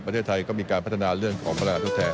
ประเทศไทยก็มีการพัฒนาเรื่องของพลังงานทดแทน